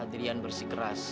tapi sepertinya adrian bersikeras